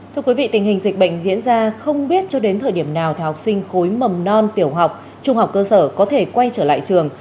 thưa quý vị tình hình dịch bệnh diễn ra không biết cho đến thời điểm nào học sinh khối mầm non tiểu học trung học cơ sở có thể quay trở lại trường